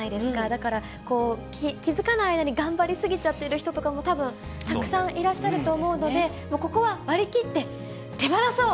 だから気付かない間に頑張り過ぎちゃってる人とかも、たぶん、たくさんいらっしゃると思うので、ここは割り切って手放そう！